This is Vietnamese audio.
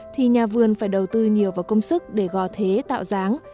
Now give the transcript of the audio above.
thì nhà vườn phải đầu tư nhiều vào công sức để gò thế tạo dáng